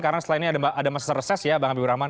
karena selain ini ada masa reses ya bang habibur rahman